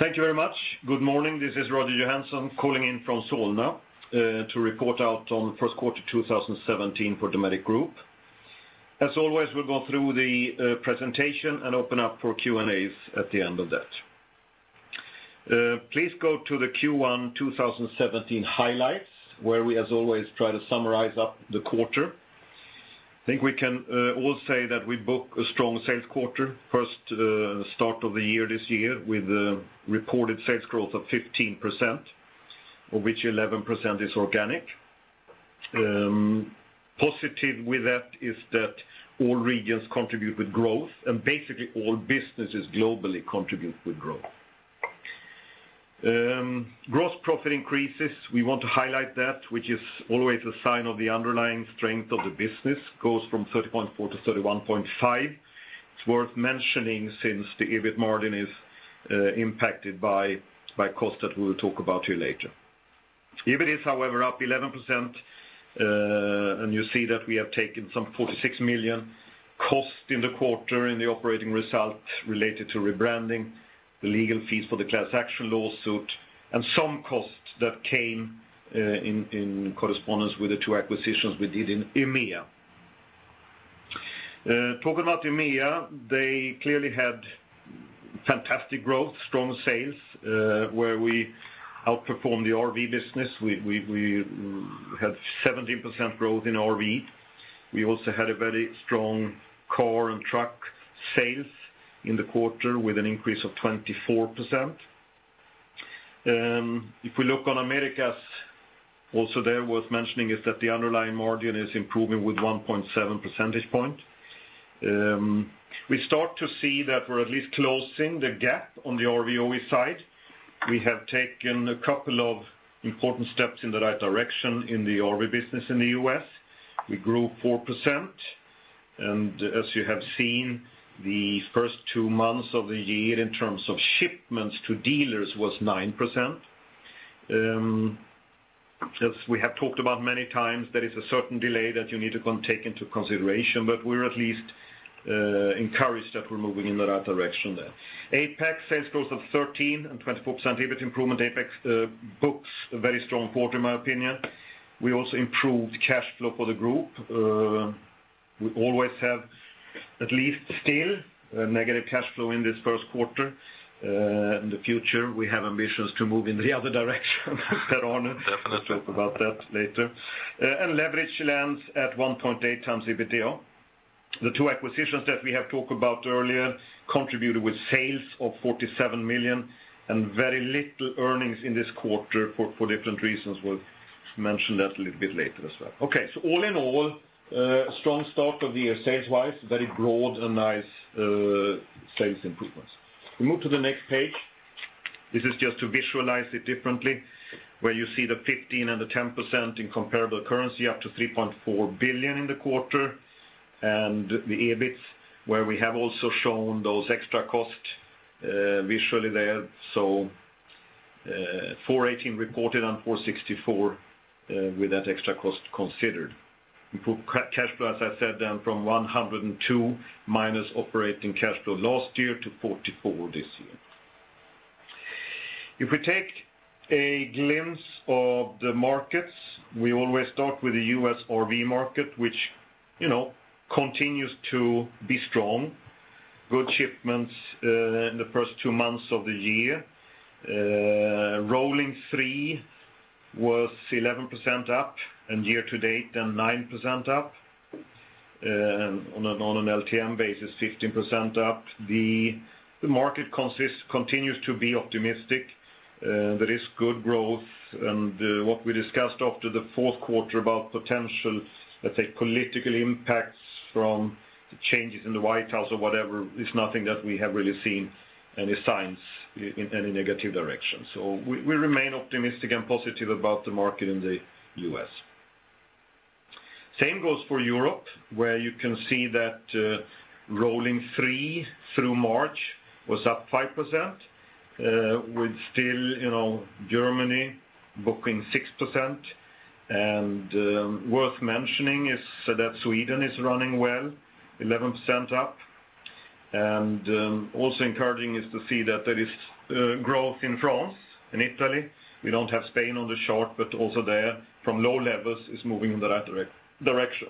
Thank you very much. Good morning. This is Roger Johansson calling in from Solna to report out on the first quarter 2017 for Dometic Group. As always, we'll go through the presentation and open up for Q&As at the end of that. Please go to the Q1 2017 highlights, where we, as always, try to summarize up the quarter. I think we can all say that we book a strong sales quarter, first start of the year this year with reported sales growth of 15%, of which 11% is organic. Positive with that is that all regions contribute with growth and basically all businesses globally contribute with growth. Gross profit increases, we want to highlight that, which is always a sign of the underlying strength of the business, goes from 30.4% to 31.5%. It's worth mentioning since the EBIT margin is impacted by cost that we will talk about here later. EBIT is, however, up 11%, and you see that we have taken some 46 million cost in the quarter in the operating result related to rebranding, the legal fees for the class action lawsuit, and some costs that came in correspondence with the two acquisitions we did in EMEA. Talking about EMEA, they clearly had fantastic growth, strong sales, where we outperformed the RV business. We had 17% growth in RV. We also had a very strong car and truck sales in the quarter with an increase of 24%. If we look on Americas, also there worth mentioning is that the underlying margin is improving with 1.7 percentage point. We start to see that we're at least closing the gap on the RV OE side. We have taken a couple of important steps in the right direction in the RV business in the U.S. We grew 4%, and as you have seen, the first two months of the year in terms of shipments to dealers was 9%. As we have talked about many times, there is a certain delay that you need to take into consideration, but we're at least encouraged that we're moving in the right direction there. APAC sales growth of 13% and 24% EBIT improvement. APAC books a very strong quarter in my opinion. We also improved cash flow for the group. We always have at least still a negative cash flow in this first quarter. In the future, we have ambitions to move in the other direction Per-Arne. Definitely. Talk about that later. Leverage lands at 1.8 times EBITDA. The two acquisitions that we have talked about earlier contributed with sales of 47 million and very little earnings in this quarter for different reasons. We'll mention that a little bit later as well. All in all, strong start of the year sales wise, very broad and nice sales improvements. We move to the next page. This is just to visualize it differently, where you see the 15% and the 10% in comparable currency up to 3.4 billion in the quarter, and the EBIT, where we have also shown those extra costs visually there. 418 reported on 464 with that extra cost considered. Cash flow, as I said, down from 102 minus operating cash flow last year to 44 this year. If we take a glimpse of the markets, we always start with the U.S. RV market, which continues to be strong. Good shipments in the first two months of the year. Rolling three was 11% up, and year to date 9% up. On an LTM basis, 15% up. The market continues to be optimistic. There is good growth, and what we discussed after the fourth quarter about potential, let's say, political impacts from the changes in the White House or whatever, is nothing that we have really seen any signs in any negative direction. So we remain optimistic and positive about the market in the U.S. Same goes for Europe, where you can see that rolling three through March was up 5%, with still Germany booking 6%. Worth mentioning is that Sweden is running well, 11% up. Also encouraging is to see that there is growth in France and Italy. We don't have Spain on the chart, but also there from low levels is moving in the right direction.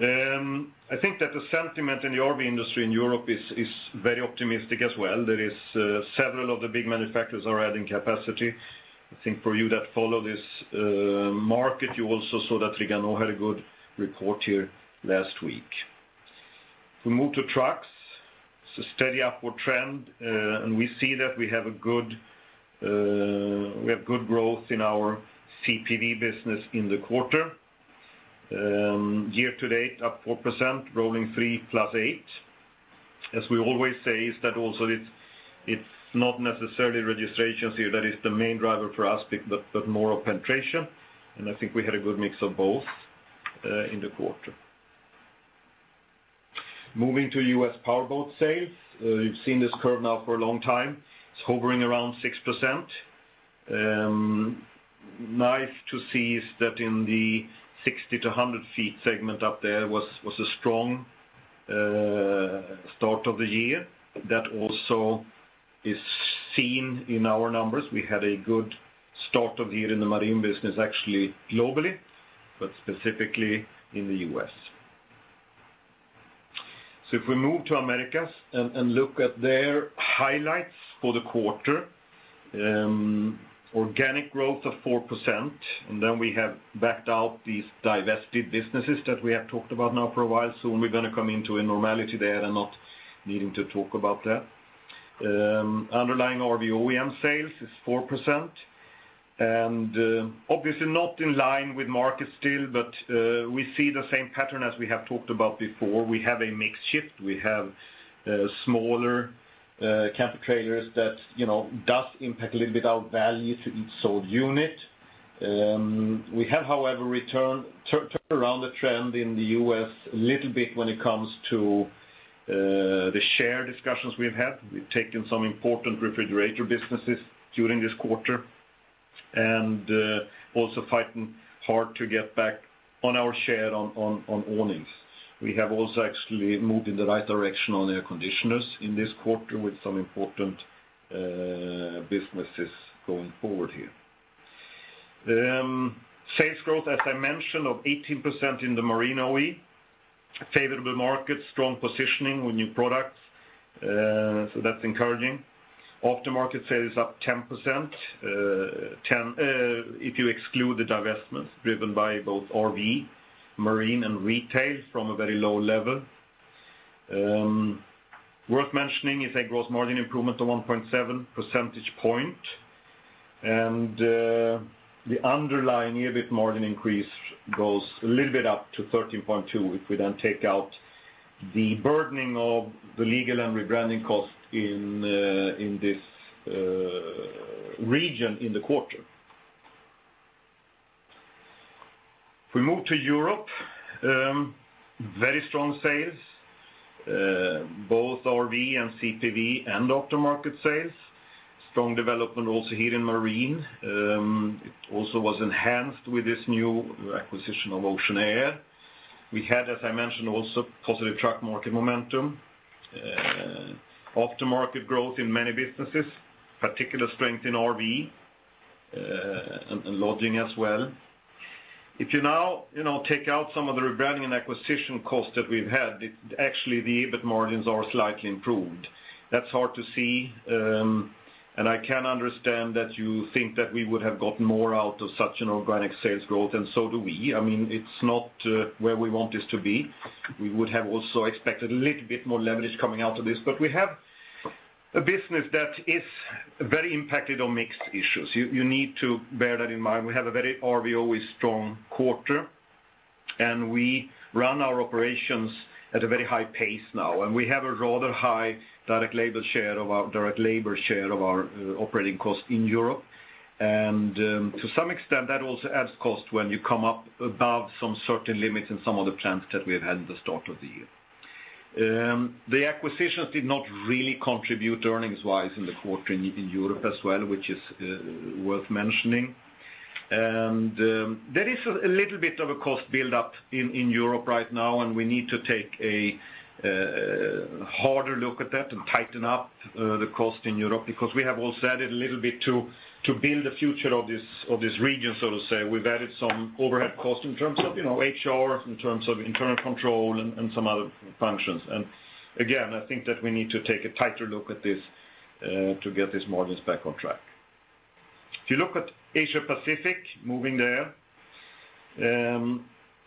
I think that the sentiment in the RV industry in Europe is very optimistic as well. There is several of the big manufacturers are adding capacity. I think for you that follow this market, you also saw that Trigano had a good report here last week. If we move to trucks, it's a steady upward trend, and we see that we have good growth in our CPV business in the quarter. Year to date up 4%, rolling three plus eight. As we always say, is that also it's not necessarily registrations here that is the main driver for us, but more of penetration. I think we had a good mix of both in the quarter. Moving to U.S. powerboat sales. You've seen this curve now for a long time. It's hovering around 6%. Nice to see is that in the 60-100 feet segment up there was a strong start of the year. That also is seen in our numbers. We had a good start of the year in the marine business, actually globally, but specifically in the U.S. So if we move to Americas and look at their highlights for the quarter, organic growth of 4%, and then we have backed out these divested businesses that we have talked about now for a while. Soon we're going to come into a normality there and not needing to talk about that. Underlying RV OEM sales is 4%, and obviously not in line with market still, but we see the same pattern as we have talked about before. We have a mix shift. We have smaller camper trailers that does impact a little bit our value to each sold unit. We have, however, turned around the trend in the U.S. a little bit when it comes to the share discussions we've had. We've taken some important refrigerator businesses during this quarter, and also fighting hard to get back on our share on awnings. We have also actually moved in the right direction on air conditioners in this quarter with some important businesses going forward here. Sales growth, as I mentioned, of 18% in the marine OE. Favorable market, strong positioning with new products, so that's encouraging. Aftermarket sales up 10%, if you exclude the divestments driven by both RV, marine, and retail from a very low level. Worth mentioning is a gross margin improvement of 1.7 percentage point. The underlying EBIT margin increase goes a little bit up to 13.2 if we then take out the burdening of the legal and rebranding cost in this region in the quarter. If we move to Europe, very strong sales. Both RV and CPV and aftermarket sales. Strong development also here in marine. It also was enhanced with this new acquisition of Oceanair. We had, as I mentioned, also positive truck market momentum. Aftermarket growth in many businesses, particular strength in RV, and lodging as well. If you now take out some of the rebranding and acquisition costs that we've had, actually the EBIT margins are slightly improved. That's hard to see, and I can understand that you think that we would have gotten more out of such an organic sales growth. So do we. It's not where we want this to be. We would have also expected a little bit more leverage coming out of this, but we have a business that is very impacted on mixed issues. You need to bear that in mind. We have a very RV OE strong quarter, and we run our operations at a very high pace now, and we have a rather high direct labor share of our operating costs in Europe. To some extent, that also adds cost when you come up above some certain limits in some of the plants that we have had in the start of the year. The acquisitions did not really contribute earnings-wise in the quarter in Europe as well, which is worth mentioning. There is a little bit of a cost buildup in Europe right now, and we need to take a harder look at that and tighten up the cost in Europe, because we have also added a little bit to build the future of this region, so to say. We've added some overhead cost in terms of HR, in terms of internal control, and some other functions. Again, I think that we need to take a tighter look at this to get these margins back on track. If you look at Asia Pacific, moving there,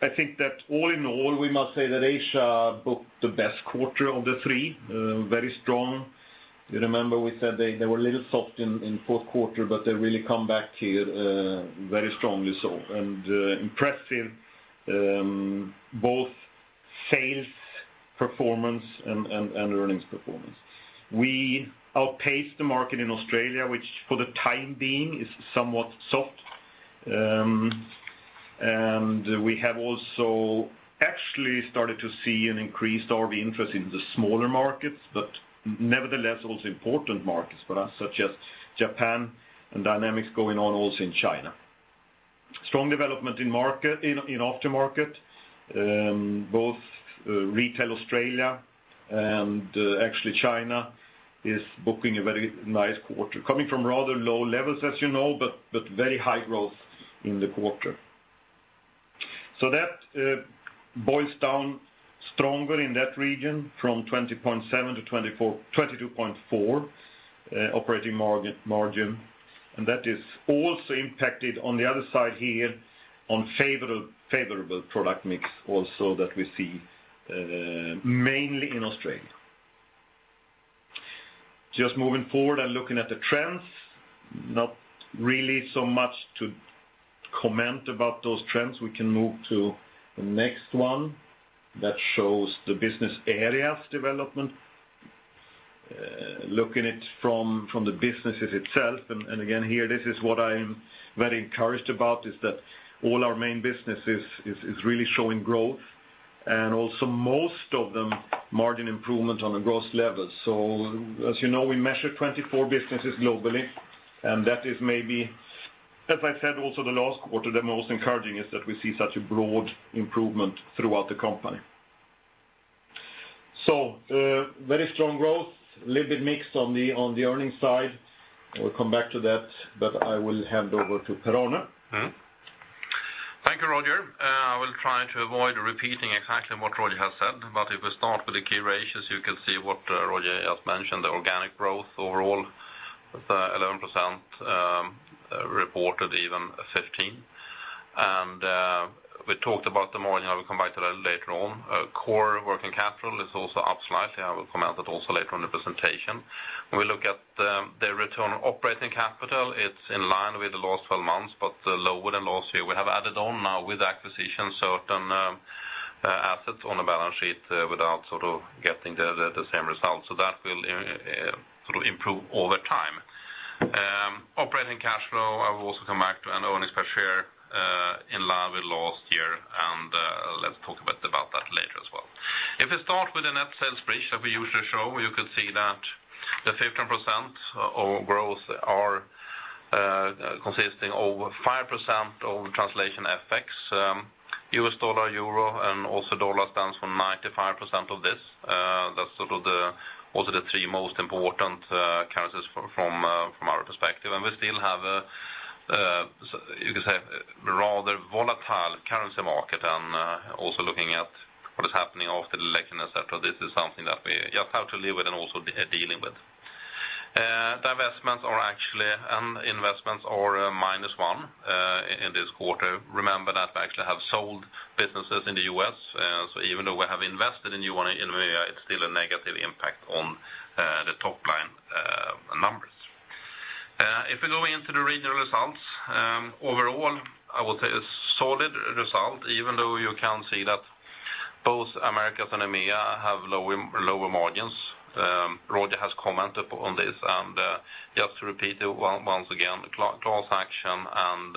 I think that all in all, we must say that Asia booked the best quarter of the three. Very strong. You remember we said they were a little soft in fourth quarter, but they really come back here very strongly, and impressive both sales performance and earnings performance. We outpaced the market in Australia, which for the time being is somewhat soft. We have also actually started to see an increased RV interest in the smaller markets, but nevertheless, also important markets for us, such as Japan, and dynamics going on also in China. Strong development in aftermarket, both retail Australia and actually China is booking a very nice quarter. Coming from rather low levels, as you know, but very high growth in the quarter. So that boils down stronger in that region from 20.7 to 22.4 operating margin. That is also impacted on the other side here on favorable product mix also that we see mainly in Australia. Just moving forward and looking at the trends, not really so much to comment about those trends. We can move to the next one that shows the business areas development. Looking it from the businesses itself, and again, here, this is what I'm very encouraged about, is that all our main businesses is really showing growth. Also most of them margin improvement on a gross level. As you know, we measure 24 businesses globally, and as I said also the last quarter, the most encouraging is that we see such a broad improvement throughout the company. Very strong growth, little bit mixed on the earnings side. We'll come back to that, but I will hand over to Per-Arne. Thank you, Roger. I will try to avoid repeating exactly what Roger has said, but if we start with the key ratios, you can see what Roger has mentioned, the organic growth overall, the 11%, reported even 15%. We talked about the margin, I will come back to that later on. Core working capital is also up slightly. I will comment it also later in the presentation. We look at the return operating capital, it's in line with the last 12 months, but lower than last year. We have added on now with acquisition certain assets on the balance sheet without getting the same result. That will improve over time. Operating cash flow, I will also come back to, and earnings per share in line with last year, and let's talk a bit about that later as well. If we start with the net sales ratio we usually show, you can see that the 15% of growth are consisting over 5% of translation effects, US dollar, euro, and also dollar stands for 95% of this. That's also the three most important currencies from our perspective. We still have a, you can say, rather volatile currency market and also looking at what is happening after the election, et cetera. This is something that we just have to live with and also are dealing with. Divestments and investments are minus one in this quarter. Remember that we actually have sold businesses in the U.S., so even though we have invested in EMEA, it's still a negative impact on the top-line numbers. If we go into the regional results, overall, I would say a solid result, even though you can see that both Americas and EMEA have lower margins. Roger has commented on this, and just to repeat it once again, the class action and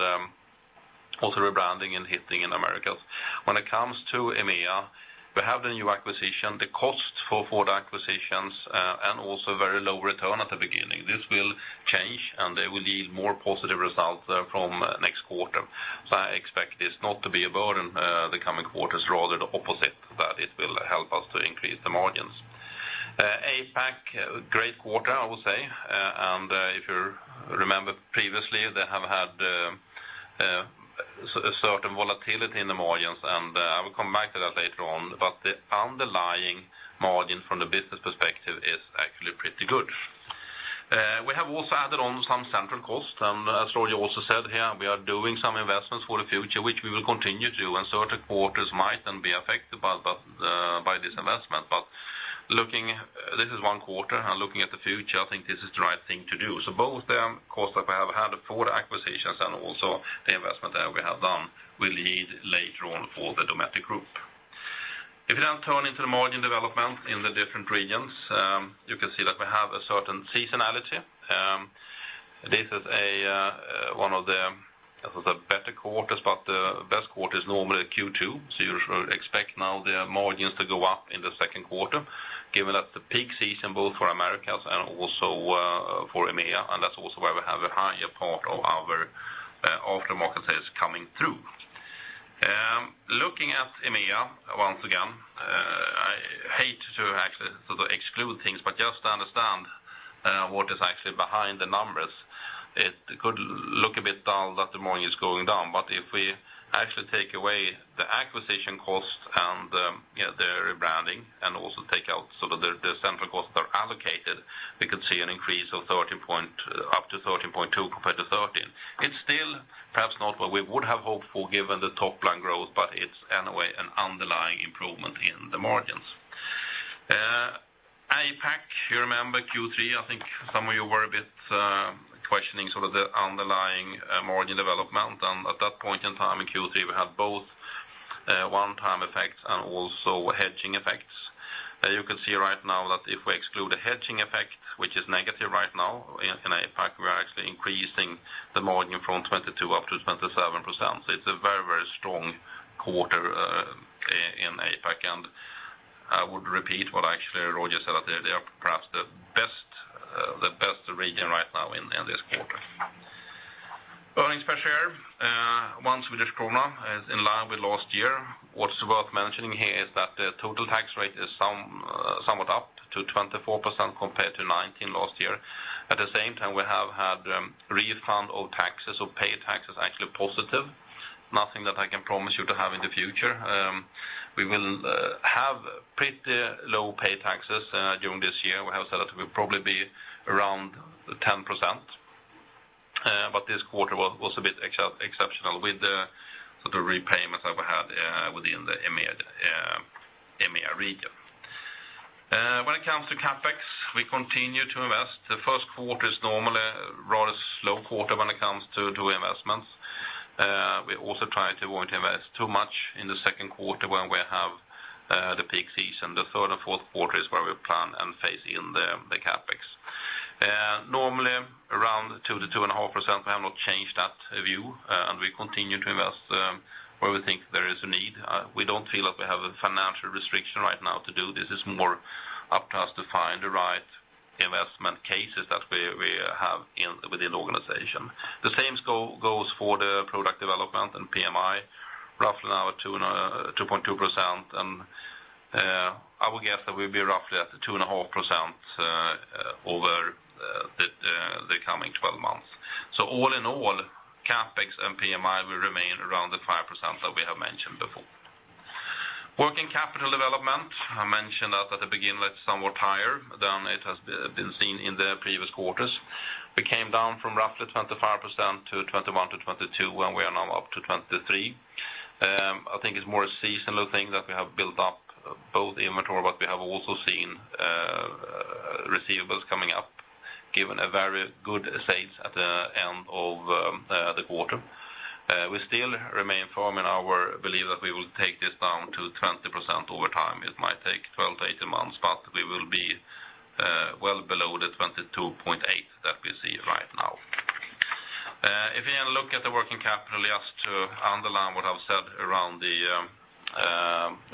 also rebranding and hitting in Americas. When it comes to EMEA, we have the new acquisition, the cost for four acquisitions, and also very low return at the beginning. This will change, and they will yield more positive results from next quarter. I expect this not to be a burden the coming quarters, rather the opposite, that it will help us to increase the margins. APAC, great quarter, I would say. If you remember previously, they have had certain volatility in the margins, and I will come back to that later on. The underlying margin from the business perspective is actually pretty good. We have also added on some central cost, as Roger also said here, we are doing some investments for the future, which we will continue to, and certain quarters might then be affected by this investment. This is one quarter, looking at the future, I think this is the right thing to do. Both the costs that we have had for the acquisitions and also the investment that we have done will yield later on for the Dometic Group. If you now turn into the margin development in the different regions, you can see that we have a certain seasonality. This is one of the better quarters, but the best quarter is normally Q2, so you should expect now the margins to go up in the second quarter, given that the peak season both for Americas and also for EMEA, and that's also where we have a higher part of our aftermarkets is coming through. Looking at EMEA, once again, I hate to actually exclude things, but just to understand what is actually behind the numbers, it could look a bit down that the margin is going down. If we actually take away the acquisition cost and the rebranding, and also take out the central costs that are allocated, we could see an increase up to 13.2% compared to 13%. It's still perhaps not what we would have hoped for given the top-line growth, but it's anyway an underlying improvement in the margins. APAC, you remember Q3, I think some of you were a bit questioning the underlying margin development, and at that point in time in Q3, we had both one-time effects and also hedging effects. You can see right now that if we exclude the hedging effect, which is negative right now within APAC, we are actually increasing the margin from 22% up to 27%. It's a very strong quarter in APAC, and I would repeat what actually Roger said, that they are perhaps the best region right now in this quarter. Earnings per share, once with its krona, is in line with last year. What's worth mentioning here is that the total tax rate is somewhat up to 24% compared to 19% last year. At the same time, we have had refund of taxes or paid taxes actually positive. Nothing that I can promise you to have in the future. We will have pretty low paid taxes during this year. We have said that it will probably be around 10%, but this quarter was a bit exceptional with the repayments that we had within the EMEA region. When it comes to CapEx, we continue to invest. The first quarter is normally a rather slow quarter when it comes to investments. We also try to avoid invest too much in the second quarter when we have the peak season. The third and fourth quarter is where we plan and phase in the CapEx. To the 2.5%, we have not changed that view, and we continue to invest where we think there is a need. We don't feel like we have a financial restriction right now to do this. It's more up to us to find the right investment cases that we have within the organization. The same goes for the product development and PMI, roughly now at 2.2%. I would guess that we'll be roughly at 2.5% over the coming 12 months. All in all, CapEx and PMI will remain around 5% that we have mentioned before. Working capital development, I mentioned that at the beginning, that's somewhat higher than it has been seen in the previous quarters. We came down from roughly 25% to 21%-22% where we are now up to 23%. I think it's more a seasonal thing that we have built up both inventory, but we have also seen receivables coming up, given very good sales at the end of the quarter. We still remain firm in our belief that we will take this down to 20% over time. It might take 12-18 months, but we will be well below 22.8% that we see right now. If you look at the working capital, just to underline what I've said around the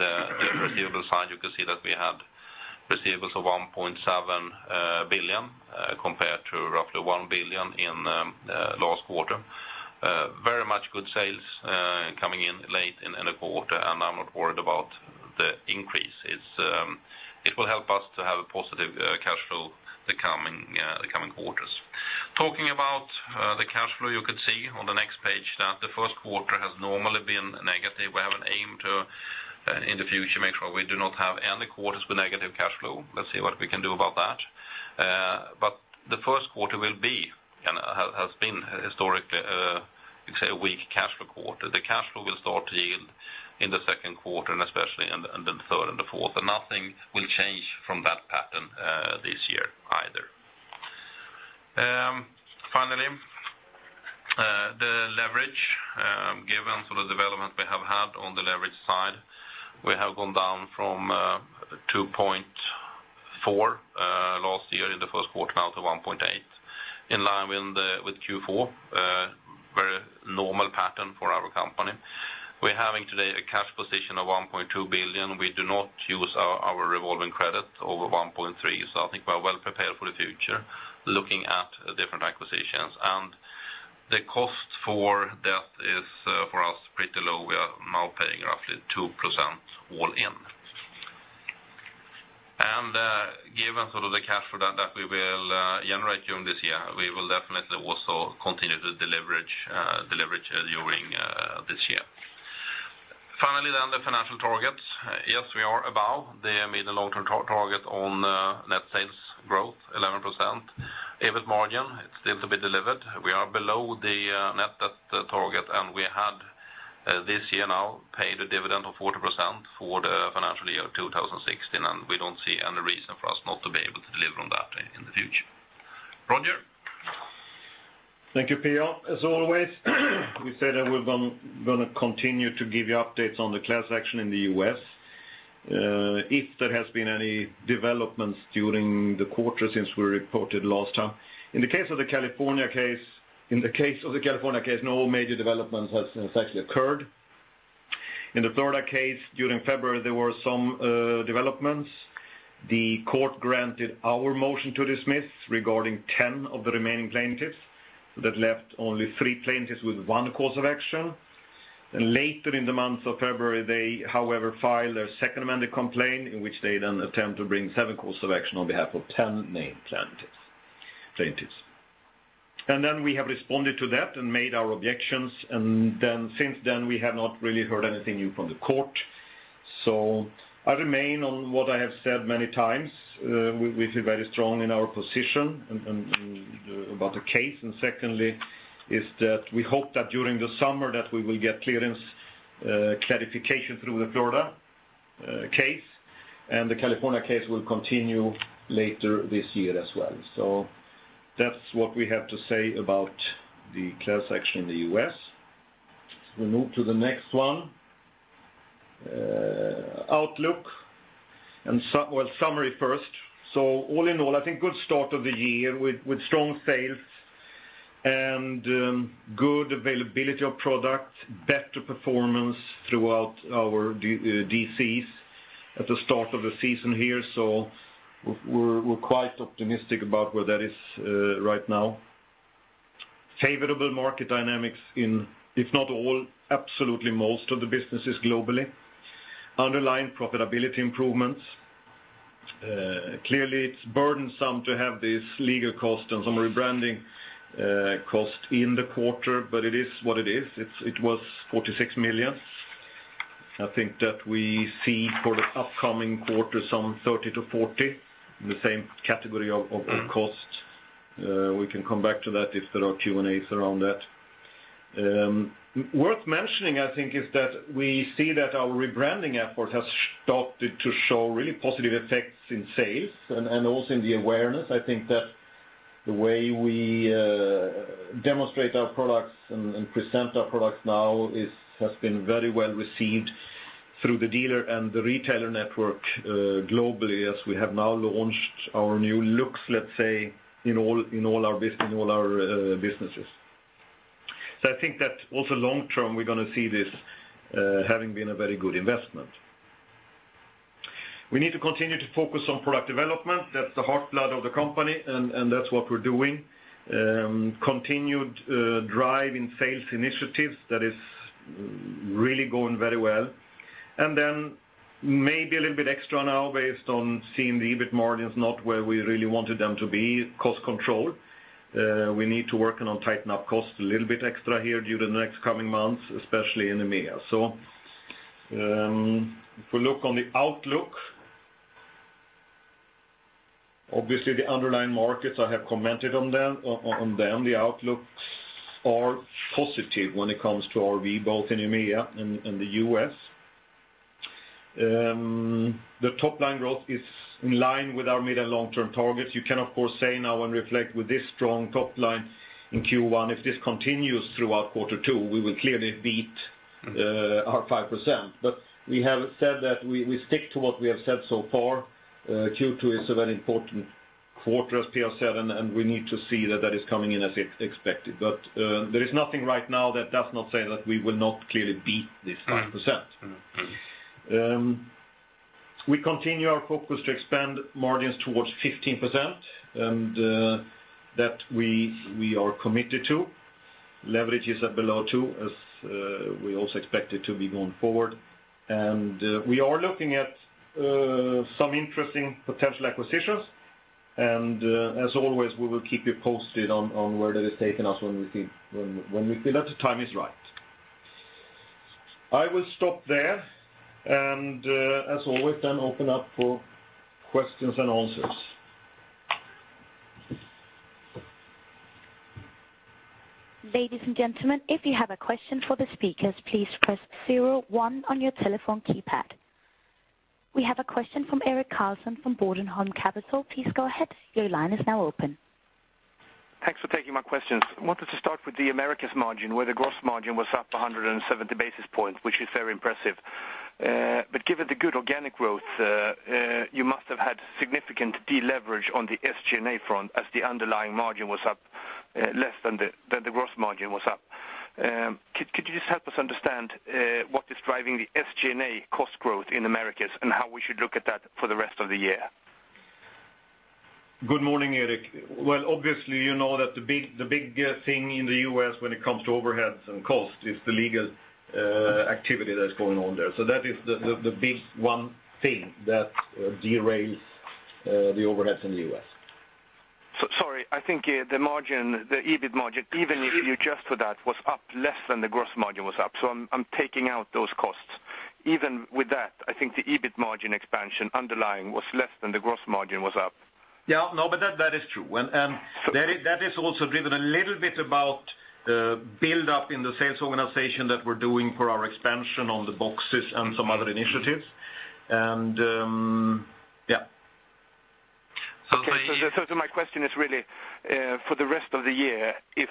receivables side, you can see that we had receivables of 1.7 billion, compared to roughly 1 billion in last quarter. Very much good sales coming in late in the quarter, I'm not worried about the increase. It will help us to have a positive cash flow the coming quarters. Talking about the cash flow, you could see on the next page that the first quarter has normally been negative. We have an aim to, in the future, make sure we do not have any quarters with negative cash flow. Let's see what we can do about that. The first quarter will be, and has been historically, you could say, a weak cash flow quarter. The cash flow will start to yield in the second quarter, especially in the third and the fourth, nothing will change from that pattern this year either. Finally, the leverage, given the development we have had on the leverage side, we have gone down from 2.4 last year in the first quarter, now to 1.8, in line with Q4. Very normal pattern for our company. We're having today a cash position of 1.2 billion. We do not use our revolving credit over 1.3 billion, so I think we are well prepared for the future looking at different acquisitions. The cost for that is, for us, pretty low. We are now paying roughly 2% all in. Given the cash flow that we will generate during this year, we will definitely also continue to deleverage during this year. Finally, the financial targets. Yes, we are above the mid-term target on net sales growth, 11%. EBIT margin, it's yet to be delivered. We are below the net debt target. We had this year now paid a dividend of 40% for the financial year 2016. We don't see any reason for us not to be able to deliver on that in the future. Roger. Thank you, Per-Arne. As always, we said that we're going to continue to give you updates on the class action in the U.S. if there has been any developments during the quarter since we reported last time. In the case of the California case, no major developments has in fact occurred. In the Florida case, during February, there were some developments. The court granted our motion to dismiss regarding 10 of the remaining plaintiffs. That left only three plaintiffs with one course of action. Then later in the month of February, they however, filed their second amended complaint, in which they then attempt to bring seven course of action on behalf of 10 named plaintiffs. Then we have responded to that and made our objections, and then since then, we have not really heard anything new from the court. I remain on what I have said many times. We feel very strong in our position about the case. And secondly is that we hope that during the summer that we will get clearance clarification through the Florida case, and the California case will continue later this year as well. That's what we have to say about the class action in the U.S. We move to the next one. Outlook, and well, summary first. All in all, I think good start of the year with strong sales and good availability of product, better performance throughout our DCs at the start of the season here. We're quite optimistic about where that is right now. Favorable market dynamics in, if not all, absolutely most of the businesses globally. Underlying profitability improvements. Clearly, it's burdensome to have these legal costs and some rebranding costs in the quarter, but it is what it is. It was 46 million. I think that we see for the upcoming quarter, some 30 million to 40 million in the same category of costs. We can come back to that if there are Q&As around that. Worth mentioning, I think, is that we see that our rebranding effort has started to show really positive effects in sales and also in the awareness. I think that the way we demonstrate our products and present our products now has been very well received. Through the dealer and the retailer network globally as we have now launched our new looks, let's say, in all our businesses. I think that also long-term, we're going to see this having been a very good investment. We need to continue to focus on product development. That's the heart blood of the company, and that's what we're doing. Continued drive in sales initiatives, that is really going very well. Then maybe a little bit extra now based on seeing the EBIT margins not where we really wanted them to be, cost control. We need to work on tighten up cost a little bit extra here during the next coming months, especially in EMEA. If we look on the outlook. Obviously, the underlying markets, I have commented on them. The outlooks are positive when it comes to RV, both in EMEA and the U.S. The top-line growth is in line with our mid and long-term targets. You can, of course, say now and reflect with this strong top line in Q1, if this continues throughout quarter two, we will clearly beat our 5%. But we have said that we stick to what we have said so far. Q2 is a very important quarter as P7, and we need to see that that is coming in as expected. There is nothing right now that does not say that we will not clearly beat this 5%. Right. We continue our focus to expand margins towards 15%, and that we are committed to. Leverage is at below two as we also expect it to be going forward. We are looking at some interesting potential acquisitions. As always, we will keep you posted on where that has taken us when we feel that the time is right. I will stop there, and as always, then open up for questions and answers. Ladies and gentlemen, if you have a question for the speakers, please press 01 on your telephone keypad. We have a question from Erik Karlsson from Bodenholm Capital. Please go ahead. Your line is now open. Thanks for taking my questions. I wanted to start with the Americas margin, where the gross margin was up 170 basis points, which is very impressive. Given the good organic growth, you must have had significant deleverage on the SG&A front as the underlying margin was up less than the gross margin was up. Could you just help us understand what is driving the SG&A cost growth in Americas and how we should look at that for the rest of the year? Good morning, Erik. Well, obviously, you know that the big thing in the U.S. when it comes to overheads and cost is the legal activity that's going on there. That is the big one thing that derails the overheads in the U.S. Sorry, I think the EBIT margin, even if you adjust for that, was up less than the gross margin was up. I'm taking out those costs. Even with that, I think the EBIT margin expansion underlying was less than the gross margin was up. Yeah. No, that is true. That is also driven a little bit about the buildup in the sales organization that we're doing for our expansion on the boxes and some other initiatives. Yeah. Okay. My question is really for the rest of the year, if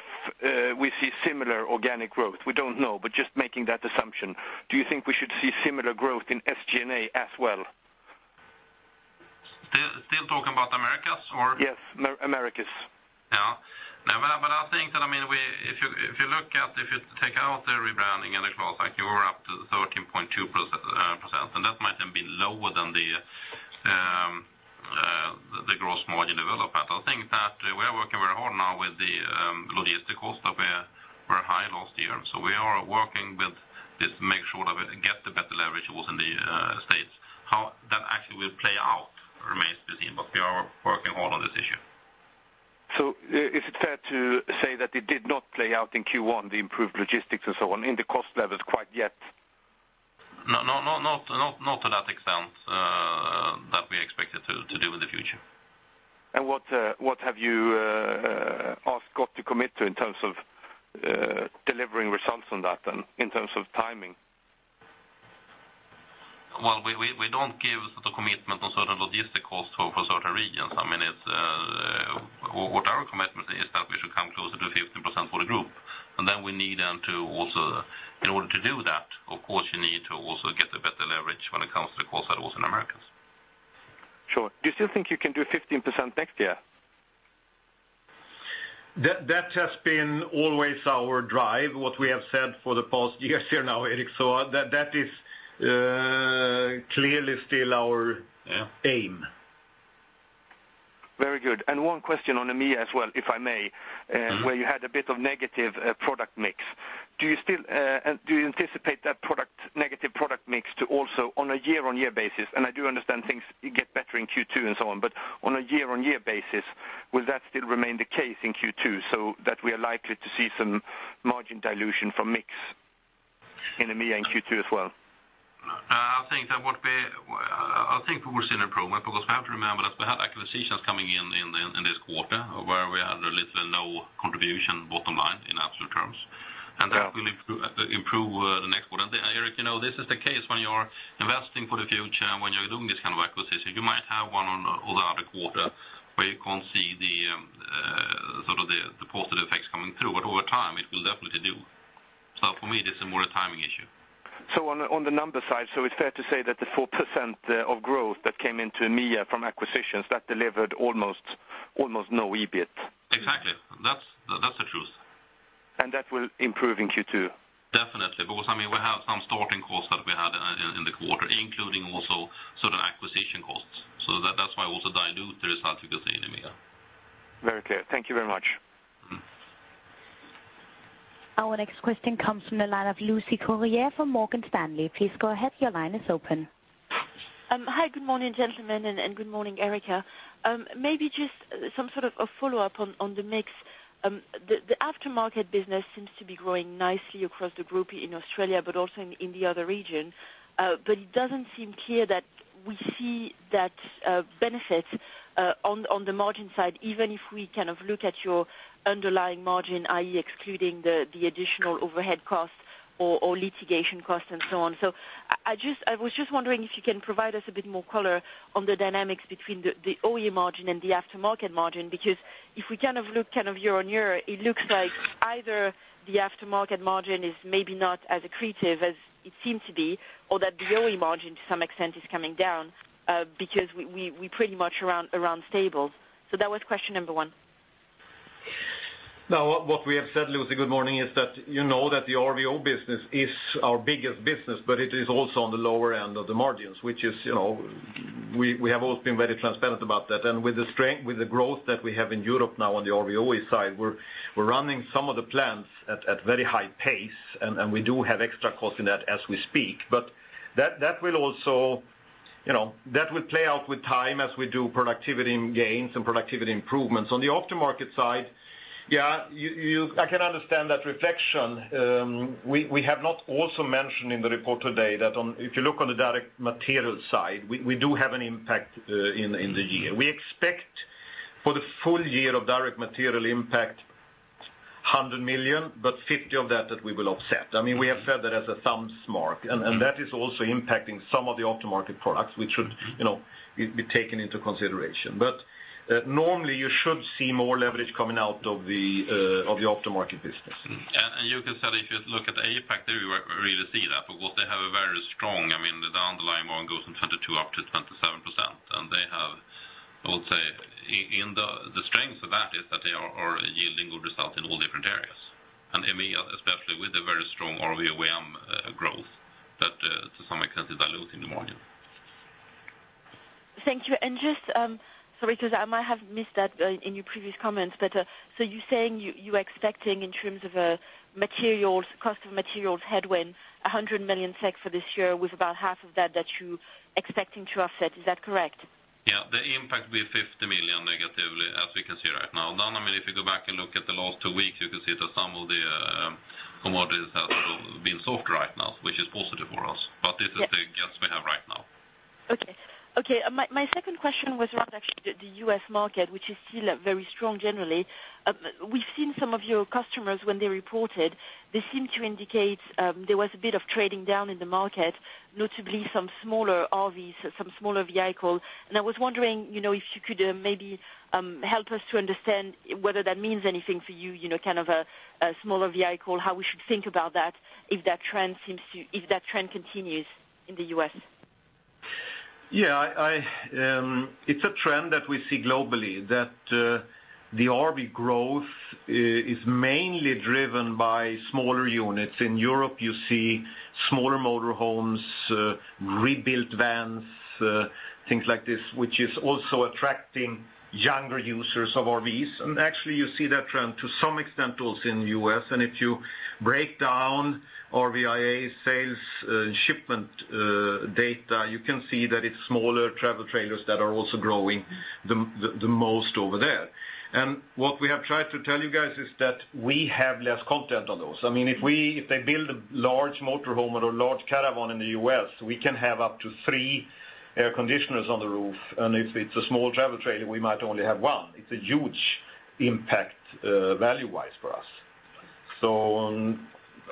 we see similar organic growth, we don't know, but just making that assumption, do you think we should see similar growth in SG&A as well? Still talking about Americas or? Yes, Americas. Yeah. I think that if you take out the rebranding and the cost, you are up to 13.2%, and that might even be lower than the gross margin development. I think that we are working very hard now with the logistic cost up here. We're high last year. We are working with this to make sure that we get the better leverage also in the States. How that actually will play out remains to be seen, but we are working hard on this issue. Is it fair to say that it did not play out in Q1, the improved logistics and so on in the cost levels quite yet? No, not to that extent, but we expect it to do in the future. What have you asked Scott to commit to in terms of delivering results on that then, in terms of timing? Well, we don't give the commitment on certain logistic costs for certain regions. What our commitment is that we should come closer to 15% for the group, and then in order to do that, of course, you need to also get a better leverage when it comes to the cost that was in Americas. Sure. Do you still think you can do 15% next year? That has been always our drive, what we have said for the past years here now, Erik. That is clearly still our aim. Very good. One question on EMEA as well, if I may. Where you had a bit of negative product mix. Do you anticipate that negative product mix to also on a year-on-year basis? I do understand things get better in Q2 and so on, but on a year-on-year basis, will that still remain the case in Q2 so that we are likely to see some margin dilution from mix in EMEA in Q2 as well? I think we will see an improvement because we have to remember that we had acquisitions coming in this quarter where we had little or no contribution bottom line in absolute terms. Yeah. That will improve the next quarter. Erik, this is the case when you are investing for the future and when you are doing this kind of acquisition. You might have one or the other quarter where you cannot see the positive effects coming through, but over time it will definitely do. For me, this is more a timing issue. On the numbers side, it is fair to say that the 4% of growth that came into EMEA from acquisitions, that delivered almost no EBIT? Exactly. That's the truth. That will improve in Q2? Definitely. We have some starting costs that we had in the quarter, including also sort of acquisition costs. That's why also dilute the results you can see in EMEA. Very clear. Thank you very much. Our next question comes from the line of Lucie Carrier from Morgan Stanley. Please go ahead. Your line is open. Hi. Good morning, gentlemen, and good morning, Erik. Maybe just some sort of a follow-up on the mix. The aftermarket business seems to be growing nicely across the group in Australia, but also in the other regions. It doesn't seem clear that we see that benefit on the margin side, even if we kind of look at your underlying margin, i.e., excluding the additional overhead costs or litigation costs and so on. I was just wondering if you can provide us a bit more color on the dynamics between the OE margin and the aftermarket margin, because if we kind of look year-on-year, it looks like either the aftermarket margin is maybe not as accretive as it seemed to be, or that the OE margin to some extent is coming down, because we're pretty much around stable. That was question number one. What we have said, Lucie, good morning, is that you know that the RVO business is our biggest business, but it is also on the lower end of the margins, which we have always been very transparent about that. With the growth that we have in Europe now on the RVO side, we're running some of the plants at very high pace, and we do have extra costs in that as we speak. That will play out with time as we do productivity gains and productivity improvements. On the aftermarket side, yeah, I can understand that reflection. We have not also mentioned in the report today that if you look on the direct material side, we do have an impact in the year. We expect for the full year of direct material impact, 100 million, but 50 million of that we will offset. We have said that as a thumbs mark, and that is also impacting some of the aftermarket products which should be taken into consideration. Normally you should see more leverage coming out of the aftermarket business. Yeah. You can tell if you look at APAC, there you will really see that, because they have a very strong, the underlying margin goes from 22% up to 27%. The strength of that is that they are yielding good results in all different areas. EMEA, especially, with the very strong RVO AM growth, that to some extent is diluting the margin. Thank you. Just, sorry, because I might have missed that in your previous comments, but so you're saying you are expecting in terms of cost of materials headwind, 100 million SEK for this year with about half of that you're expecting to offset. Is that correct? Yeah. The impact will be 50 million negatively as we can see right now. If you go back and look at the last two weeks, you can see that some of the commodities have been soft right now, which is positive for us. This is the guess we have right now. My second question was around actually the U.S. market, which is still very strong generally. We've seen some of your customers when they reported, they seem to indicate there was a bit of trading down in the market, notably some smaller RVs, some smaller vehicle. I was wondering if you could maybe help us to understand whether that means anything for you, kind of a smaller vehicle, how we should think about that if that trend continues in the U.S. Yeah. It's a trend that we see globally that the RV growth is mainly driven by smaller units. In Europe, you see smaller motor homes, rebuilt vans, things like this, which is also attracting younger users of RVs. Actually you see that trend to some extent also in the U.S. If you break down RVIA sales shipment data, you can see that it's smaller travel trailers that are also growing the most over there. What we have tried to tell you guys is that we have less content on those. If they build a large motor home or a large caravan in the U.S., we can have up to 3 air conditioners on the roof. If it's a small travel trailer, we might only have one. It's a huge impact value-wise for us.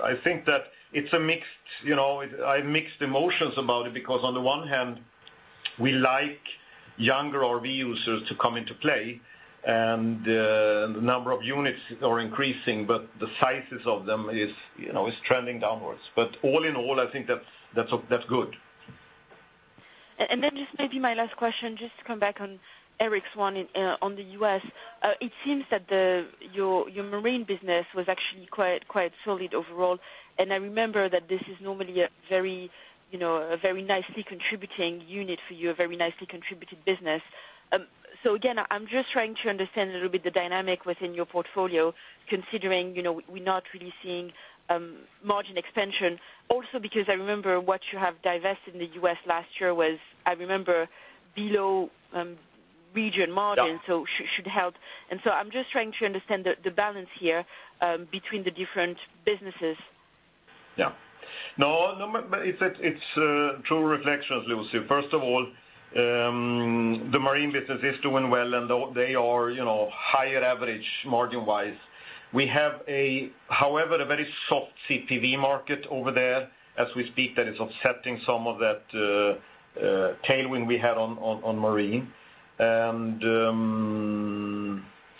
I think that I have mixed emotions about it because on the one hand, we like younger RV users to come into play and the number of units are increasing, the sizes of them is trending downwards. All in all, I think that's good. Just maybe my last question, just to come back on Erik's one on the U.S. It seems that your marine business was actually quite solid overall, I remember that this is normally a very nicely contributing unit for you, a very nicely contributed business. Again, I'm just trying to understand a little bit the dynamic within your portfolio, considering we're not really seeing margin expansion. Also because I remember what you have divested in the U.S. last year was, I remember, below region margin. Yeah should help. I'm just trying to understand the balance here between the different businesses. It's a true reflection, Lucie. First of all, the marine business is doing well, and they are higher average margin-wise. We have, however, a very soft CPV market over there as we speak that is offsetting some of that tailwind we had on marine.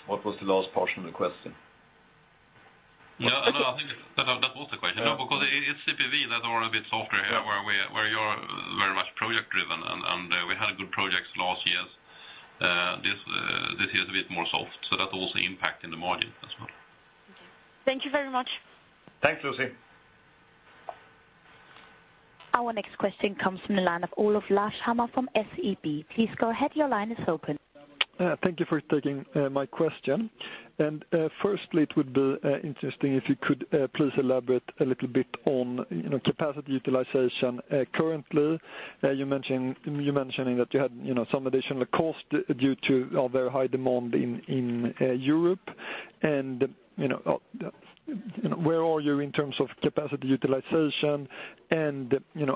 What was the last portion of the question? I think that was the question. It's CPV that are a bit softer here where you're very much project-driven, and we had good projects last year. This year is a bit more soft, so that's also impacting the margin as well. Thank you. Thank you very much. Thanks, Lucie. Our next question comes from the line of Olof Larshammar from SEB. Please go ahead. Your line is open. Thank you for taking my question. Firstly, it would be interesting if you could please elaborate a little bit on capacity utilization currently. You're mentioning that you had some additional cost due to a very high demand in Europe. Where are you in terms of capacity utilization, and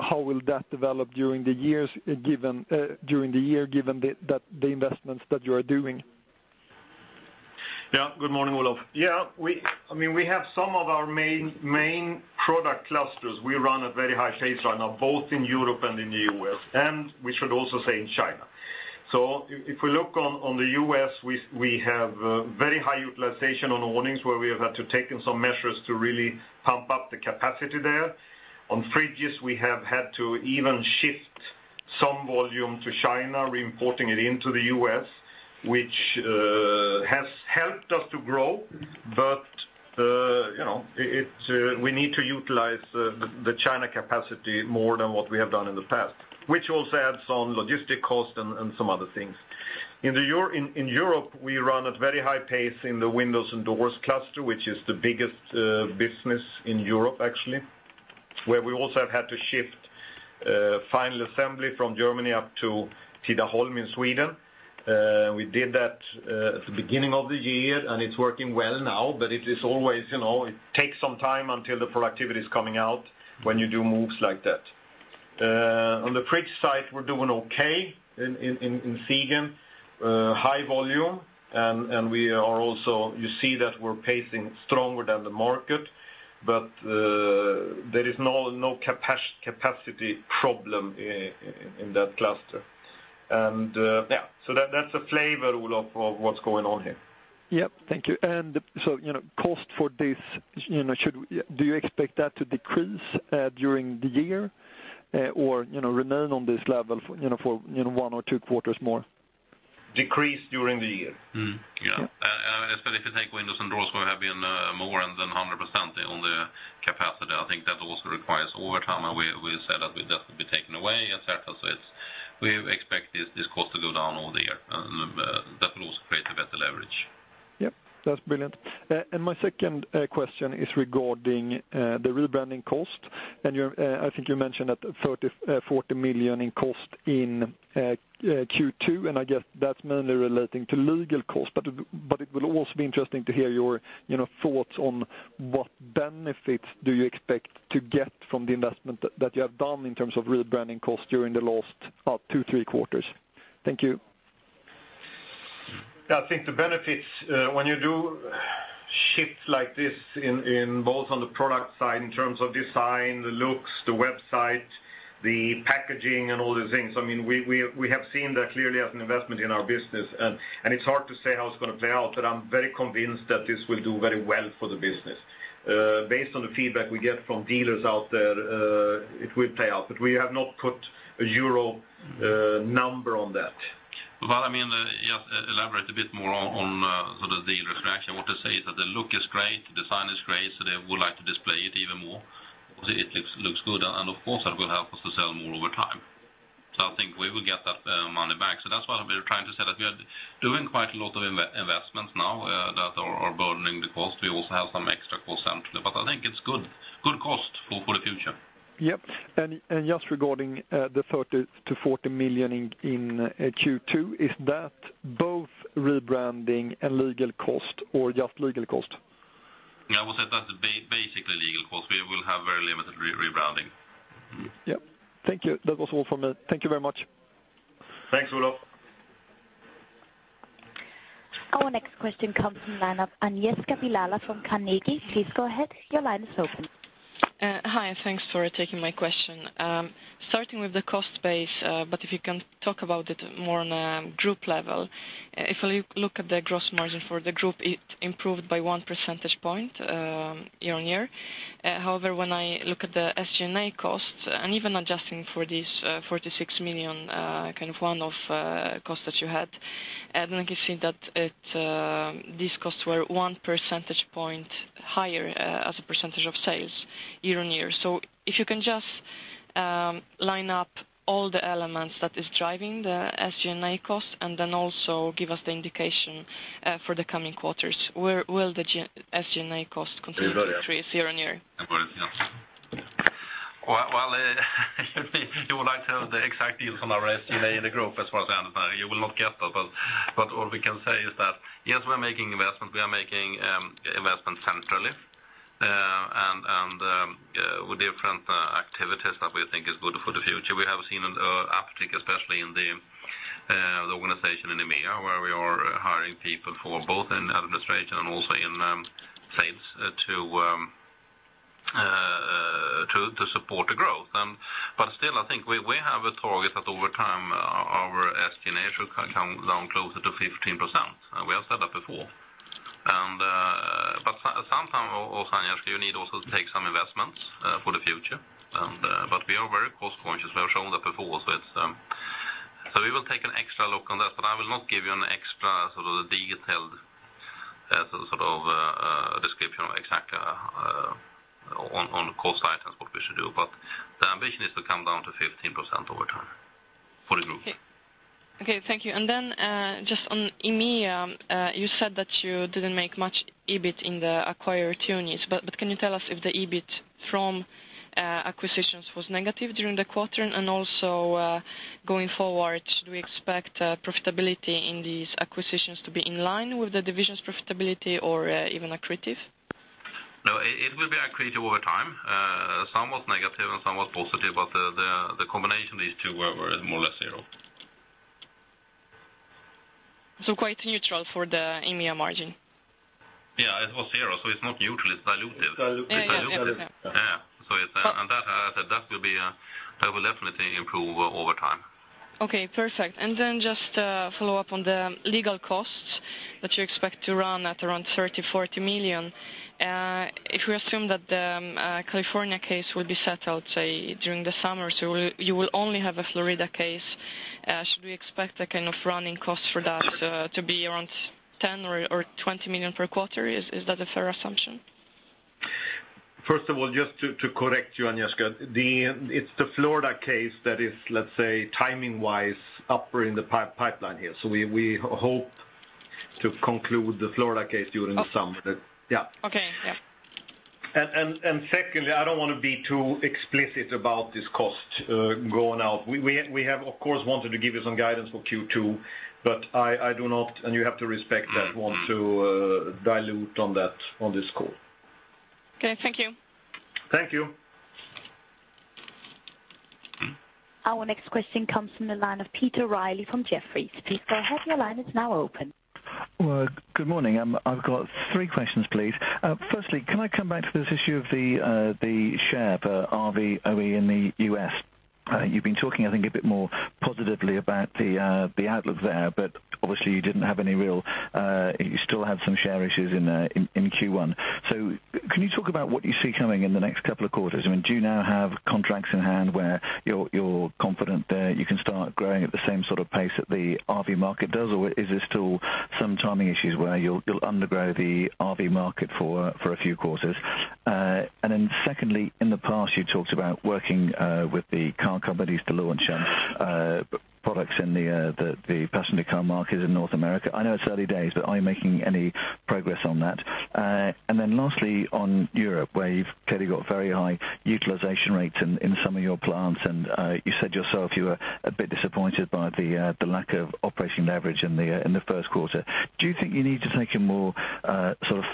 how will that develop during the year, given the investments that you are doing? Good morning, Olof. We have some of our main product clusters we run at very high rates right now, both in Europe and in the U.S., and we should also say in China. If we look on the U.S., we have very high utilization on awnings where we have had to take in some measures to really pump up the capacity there. On fridges, we have had to even shift some volume to China, reimporting it into the U.S., which has helped us to grow. We need to utilize the China capacity more than what we have done in the past, which also adds on logistic cost and some other things. In Europe, we run at very high pace in the windows and doors cluster, which is the biggest business in Europe, actually, where we also have had to shift final assembly from Germany up to Tidaholm in Sweden. We did that at the beginning of the year, and it's working well now, but it takes some time until the productivity is coming out when you do moves like that. On the fridge side, we're doing okay in Siegen. High volume, and you see that we're pacing stronger than the market, but there is no capacity problem in that cluster. That's a flavor, Olof, of what's going on here. Yep. Thank you. Cost for this, do you expect that to decrease during the year or remain on this level for one or two quarters more? Decrease during the year. Especially if you take windows and doors where have been more than 100% on the capacity. I think that also requires overtime, and we said that would definitely be taken away, et cetera. We expect this cost to go down all year, and that will also create a better leverage. That's brilliant. My second question is regarding the rebranding cost. I think you mentioned that 40 million in cost in Q2, and I guess that's mainly relating to legal cost. It will also be interesting to hear your thoughts on what benefits do you expect to get from the investment that you have done in terms of rebranding cost during the last two, three quarters. Thank you. I think the benefits when you do shifts like this in both on the product side in terms of design, the looks, the website, the packaging, and all the things, we have seen that clearly as an investment in our business. It's hard to say how it's going to play out, but I'm very convinced that this will do very well for the business. Based on the feedback we get from dealers out there, it will pay off, but we have not put a EUR number on that. Just to elaborate a bit more on the dealer interaction, what they say is that the look is great, the design is great, they would like to display it even more. It looks good, and of course, that will help us to sell more over time. I think we will get that money back. That's what we're trying to say, that we are doing quite a lot of investments now that are burning the cost. We also have some extra cost centrally, but I think it's good cost for the future. Yep. Just regarding the 30 million to 40 million in Q2, is that both rebranding and legal cost or just legal cost? I would say that's basically legal cost. We will have very limited rebranding. Yep. Thank you. That was all from me. Thank you very much. Thanks, Olof. Our next question comes from line of Agnieszka Vilela from Carnegie. Please go ahead. Your line is open. Hi. Thanks for taking my question. Starting with the cost base, but if you can talk about it more on a group level. If you look at the gross margin for the group, it improved by one percentage point year-on-year. However, when I look at the SG&A cost, and even adjusting for this 46 million, kind of one-off cost that you had, and then you see that these costs were one percentage point higher as a percentage of sales year-on-year. If you can just line up all the elements that is driving the SG&A cost, and then also give us the indication for the coming quarters. Will the SG&A cost continue to increase year-on-year? I'll go ahead, yeah. Well, if you would like to have the exact details on our SG&A in the group, as far as I know, you will not get that. What we can say is that, yes, we are making investments. We are making investments centrally, and with different activities that we think is good for the future. We have seen an uptick, especially in the organization in EMEA, where we are hiring people for both in administration and also in sales to support the growth. I think we have a target that over time, our SG&A should come down closer to 15%, and we have said that before. Sometime, also, Agnieszka, you need also to take some investments for the future. We are very cost conscious. We have shown that before. We will take an extra look on that, but I will not give you an extra sort of detailed description of exactly on cost items, what we should do, but the ambition is to come down to 15% over time for the group. Okay. Thank you. On EMEA, you said that you didn't make much EBIT in the acquired units, but can you tell us if the EBIT from acquisitions was negative during the quarter? Going forward, should we expect profitability in these acquisitions to be in line with the division's profitability or even accretive? It will be accretive over time. Somewhat negative and somewhat positive, but the combination of these two were more or less zero. Quite neutral for the EMEA margin. Yeah, it was zero, so it is not neutral, it is dilutive. It is dilutive. Yeah. Yeah. That will definitely improve over time. Okay, perfect. Just a follow-up on the legal costs that you expect to run at around 30 million-40 million. If we assume that the California case will be settled, say, during the summer, so you will only have a Florida case, should we expect a kind of running cost for that to be around 10 million or 20 million per quarter? Is that a fair assumption? First of all, just to correct you, Agnieszka, it is the Florida case that is, let us say, timing-wise, upper in the pipeline here. We hope to conclude the Florida case during the summer. Okay. Yeah. Secondly, I do not want to be too explicit about this cost going out. We have, of course, wanted to give you some guidance for Q2, but I do not, and you have to respect that, want to dilute on that on this call. Okay. Thank you. Thank you. Our next question comes from the line of Peter Reilly from Jefferies. Peter, go ahead, your line is now open. Well, good morning. I've got three questions, please. Firstly, can I come back to this issue of the share for RV OE in the U.S.? You've been talking, I think, a bit more positively about the outlook there, but obviously you still had some share issues in Q1. Can you talk about what you see coming in the next couple of quarters? I mean, do you now have contracts in hand where you're confident that you can start growing at the same sort of pace that the RV market does? Is there still some timing issues where you'll undergrow the RV market for a few quarters? Secondly, in the past, you talked about working with the car companies to launch products in the passenger car market in North America. I know it's early days, but are you making any progress on that? Lastly, on Europe, where you've clearly got very high utilization rates in some of your plants, and you said yourself you were a bit disappointed by the lack of operating leverage in the first quarter. Do you think you need to take a more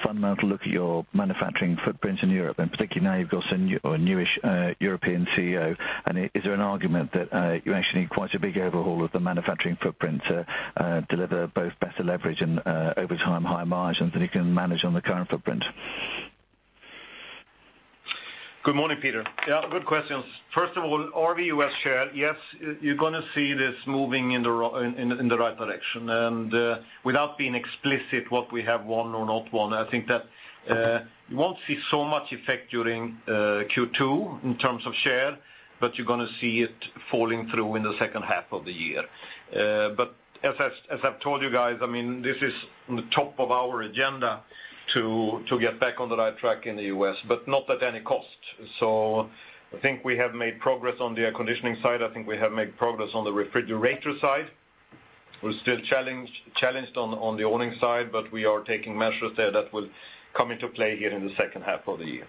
fundamental look at your manufacturing footprint in Europe? Particularly now you've got a newish European CEO, and is there an argument that you actually need quite a big overhaul of the manufacturing footprint to deliver both better leverage and over time, higher margins than you can manage on the current footprint? Good morning, Peter. Yeah, good questions. First of all, RV U.S. share, yes, you're going to see this moving in the right direction. Without being explicit what we have won or not won, I think that you won't see so much effect during Q2 in terms of share, but you're going to see it falling through in the second half of the year. As I've told you guys, this is on the top of our agenda to get back on the right track in the U.S., but not at any cost. I think we have made progress on the air conditioning side. I think we have made progress on the refrigerator side. We're still challenged on the awning side, but we are taking measures there that will come into play here in the second half of the year.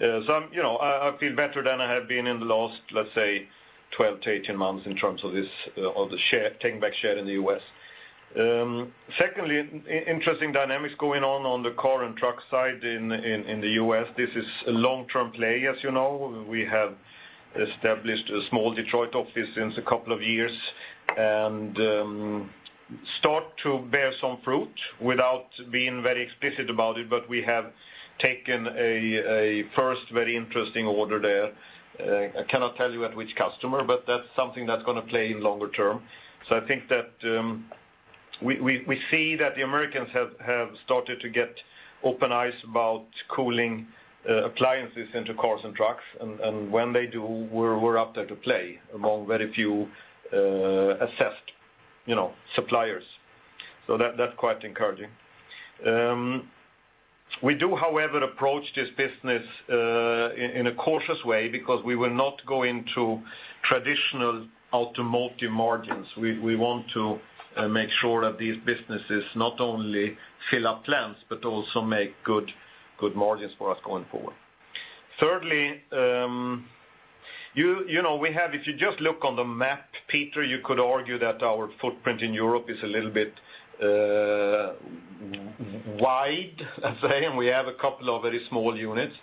I feel better than I have been in the last, let's say, 12 to 18 months in terms of the share, taking back share in the U.S. Secondly, interesting dynamics going on the car and truck side in the U.S. This is a long-term play, as you know. We have established a small Detroit office since a couple of years, start to bear some fruit without being very explicit about it, but we have taken a first very interesting order there. I cannot tell you at which customer, but that's something that's going to play in longer term. I think that we see that the Americans have started to get open eyes about cooling appliances into cars and trucks. When they do, we're out there to play among very few assessed suppliers. That's quite encouraging. We do, however, approach this business in a cautious way because we will not go into traditional automotive margins. We want to make sure that these businesses not only fill up plants but also make good margins for us going forward. Thirdly, if you just look on the map, Peter, you could argue that our footprint in Europe is a little bit wide, I'd say, we have a couple of very small units.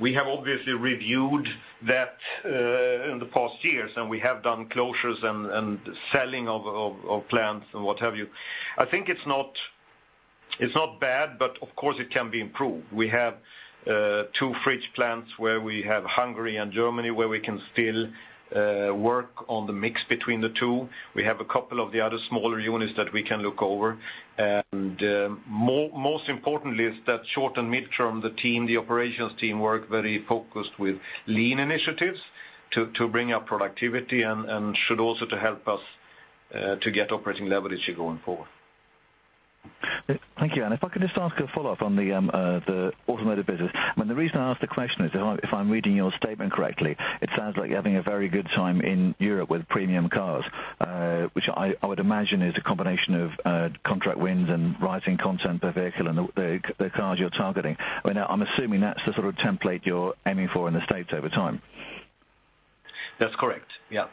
We have obviously reviewed that in the past years, we have done closures and selling of plants, and what have you. I think it's not bad, but of course it can be improved. We have two fridge plants where we have Hungary and Germany where we can still work on the mix between the two. We have a couple of the other smaller units that we can look over. Most importantly is that short and midterm, the operations team work very focused with lean initiatives to bring up productivity and should also help us to get operating leverage going forward. Thank you. If I could just ask a follow-up on the automotive business. The reason I ask the question is if I am reading your statement correctly, it sounds like you are having a very good time in Europe with premium cars, which I would imagine is a combination of contract wins and rising content per vehicle and the cars you are targeting. I am assuming that is the sort of template you are aiming for in the U.S. over time. That's correct. Yeah.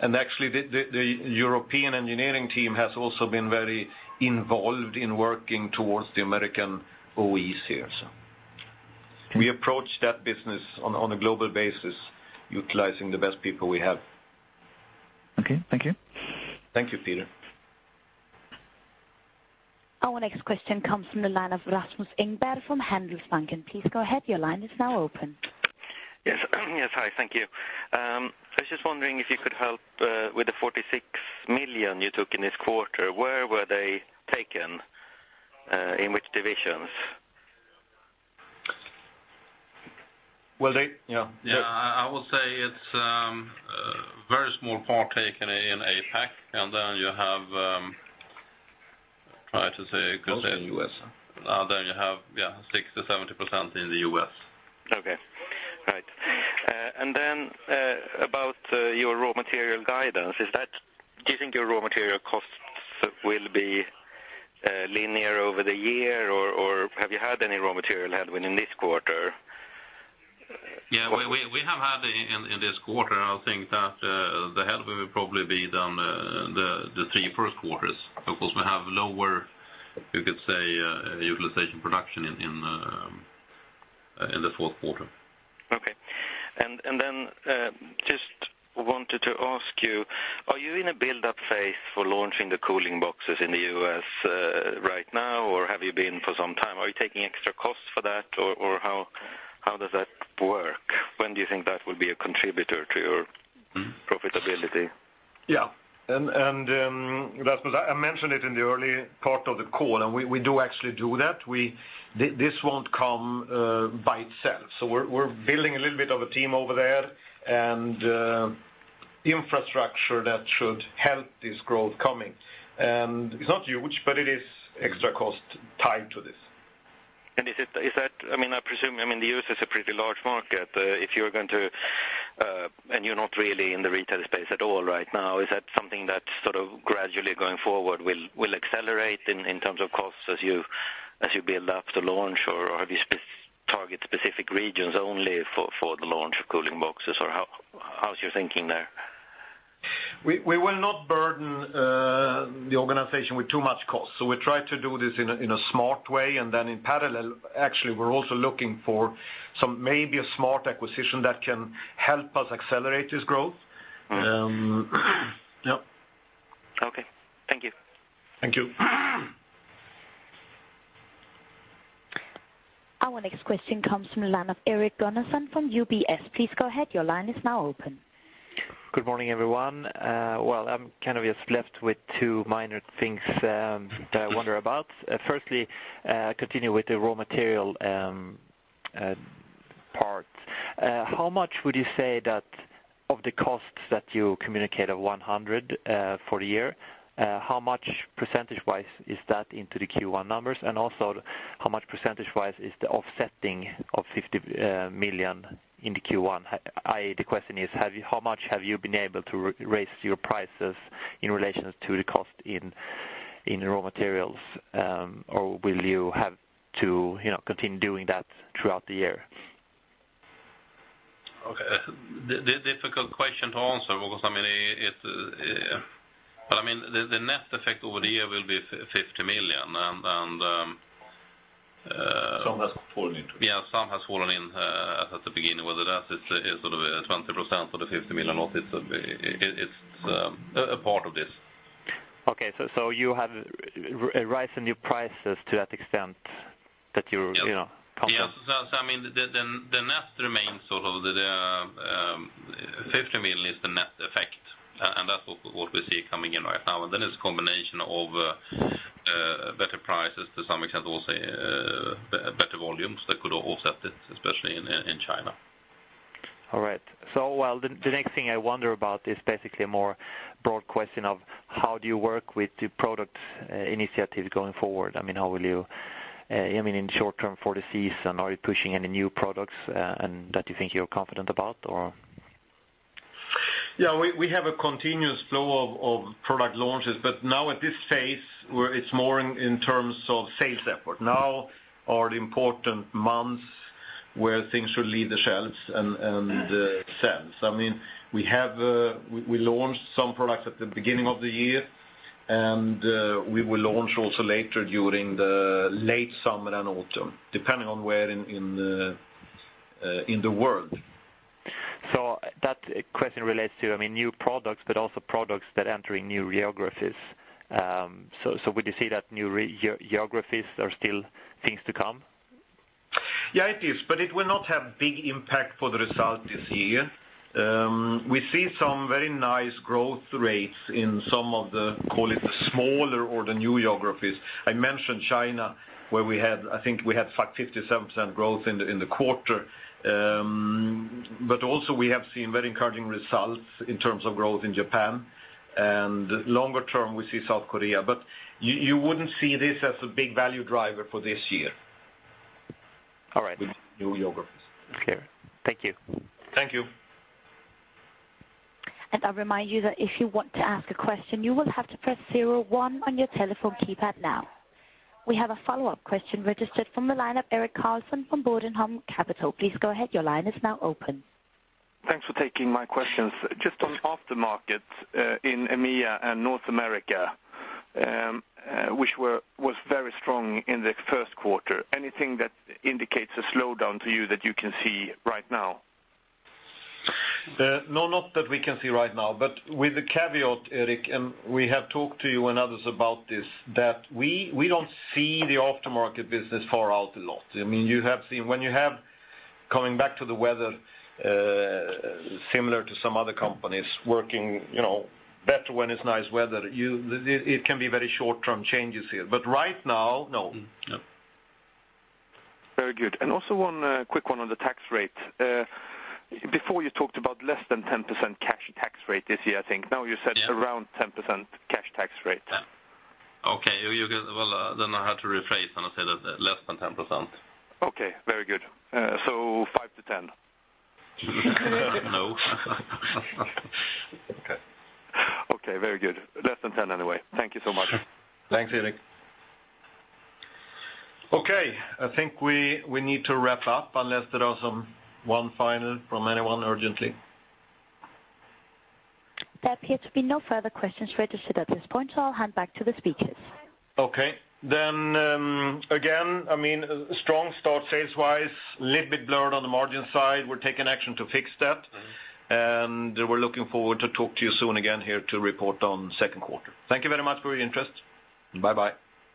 Actually, the European engineering team has also been very involved in working towards the American OEs here. We approach that business on a global basis utilizing the best people we have. Okay. Thank you. Thank you, Peter. Our next question comes from the line of Rasmus Engberg from Handelsbanken. Please go ahead. Your line is now open. Yes. Hi. Thank you. I was just wondering if you could help with the 46 million you took in this quarter, where were they taken, in which divisions? Well, Yeah. Yeah. I would say it's a very small part taken in APAC. U.S. You have, yeah, 60%-70% in the U.S. Okay. Right. About your raw material guidance, do you think your raw material costs will be linear over the year, or have you had any raw material headwind in this quarter? Yeah. We have had in this quarter, I think that the head will probably be down the three first quarters. Of course, we have lower, you could say, utilization production in the fourth quarter. just wanted to ask you, are you in a buildup phase for launching the cooling boxes in the U.S. right now, or have you been for some time? Are you taking extra costs for that or how does that work? When do you think that will be a contributor to your profitability? Yeah. Rasmus, I mentioned it in the early part of the call, we do actually do that. This won't come by itself. We're building a little bit of a team over there and infrastructure that should help this growth coming. It's not huge, but it is extra cost tied to this. I presume, the U.S. is a pretty large market. If you're going to, you're not really in the retail space at all right now, is that something that gradually going forward will accelerate in terms of costs as you build up the launch, or have you target specific regions only for the launch of cooling boxes, or how is your thinking there? We will not burden the organization with too much cost. We try to do this in a smart way, in parallel, actually, we're also looking for maybe a smart acquisition that can help us accelerate this growth. Yep. Okay. Thank you. Thank you. Our next question comes from the line of Erik Gunnarsson from UBS. Please go ahead. Your line is now open. Good morning, everyone. I'm just left with two minor things that I wonder about. Firstly, continue with the raw material part. How much would you say that of the costs that you communicate of 100 for the year, how much percentage-wise is that into the Q1 numbers? Also, how much percentage-wise is the offsetting of 50 million in the Q1? The question is, how much have you been able to raise your prices in relation to the cost in raw materials? Will you have to continue doing that throughout the year? Okay. Difficult question to answer because the net effect over the year will be 50 million. Some has fallen into it. Yeah, some has fallen in at the beginning, whether that is sort of 20% of the SEK 50 million or it's a part of this. Okay. You have risen your prices to that extent that you're confident? Yes. The net remains, so the 50 million is the net effect, and that's what we see coming in right now. It's a combination of better prices to some extent, also better volumes that could offset it, especially in China. All right. The next thing I wonder about is basically a more broad question of how do you work with the product initiatives going forward? How will you, in short term for the season, are you pushing any new products and that you think you're confident about, or? Yeah, we have a continuous flow of product launches, but now at this phase, it's more in terms of sales effort. Now are the important months where things should leave the shelves and sell. We launched some products at the beginning of the year. We will launch also later during the late summer and autumn, depending on where in the world. That question relates to new products, but also products that entering new geographies. Would you say that new geographies are still things to come? Yes, it is. It will not have big impact for the result this year. We see some very nice growth rates in some of the, call it the smaller or the new geographies. I mentioned China, where I think we had 57% growth in the quarter. Also, we have seen very encouraging results in terms of growth in Japan and longer term we see South Korea. You wouldn't see this as a big value driver for this year. All right. With new geographies. Okay. Thank you. Thank you. I'll remind you that if you want to ask a question, you will have to press zero one on your telephone keypad now. We have a follow-up question registered from the line of Erik Karlsson from Bodenholm Capital. Please go ahead. Your line is now open. Thanks for taking my questions. Just on aftermarket in EMEA and North America, which was very strong in the first quarter. Anything that indicates a slowdown to you that you can see right now? No, not that we can see right now, but with the caveat, Erik, and we have talked to you and others about this, that we don't see the aftermarket business far out a lot. Coming back to the weather, similar to some other companies working better when it's nice weather, it can be very short-term changes here. Right now, no. Very good. Also one quick one on the tax rate. Before you talked about less than 10% cash tax rate this year, I think. Now you said around 10% cash tax rate. Okay. I had to rephrase when I said less than 10%. Okay, very good. Five to 10? No. Okay. Very good. Less than 10 anyway. Thank you so much. Thanks, Erik. Okay, I think we need to wrap up unless there are one final from anyone urgently. There appear to be no further questions registered at this point, so I'll hand back to the speakers. Okay. Again, strong start sales wise, little bit blurred on the margin side. We're taking action to fix that, and we're looking forward to talk to you soon again here to report on second quarter. Thank you very much for your interest. Bye.